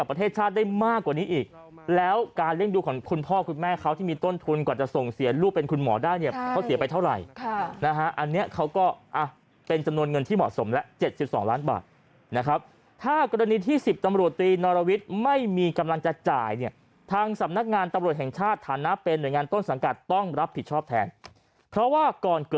ประเทศชาติได้มากกว่านี้อีกแล้วการเลี้ยงดูของคุณพ่อคุณแม่เขาที่มีต้นทุนกว่าจะส่งเสียลูกเป็นคุณหมอได้เนี่ยเขาเสียไปเท่าไหร่นะฮะอันนี้เขาก็อ่ะเป็นจำนวนเงินที่เหมาะสมแล้ว๗๒ล้านบาทนะครับถ้ากรณีที่๑๐ตำรวจตีนรวิทย์ไม่มีกำลังจะจ่ายเนี่ยทางสำนักงานตำรวจแห่งชาติฐานะเป็นหน่วยงานต้นสังกัดต้องรับผิดชอบแทนเพราะว่าก่อนเกิด